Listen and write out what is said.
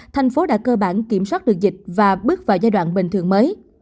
tp hcm đã cơ bản kiểm soát được dịch và bước vào giai đoạn bình thường mới